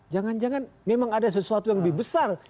jangan jangan memang ada sesuatu yang lebih besar